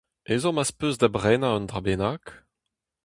Ezhomm az peus da brenañ un dra bennak ?